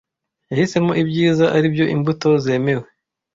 yahisemo ibyiza aribyo imbuto zemewe